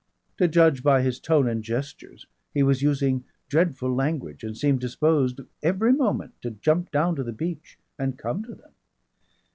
To judge by his tone and gestures he was using dreadful language and seemed disposed every moment to jump down to the beach and come to them.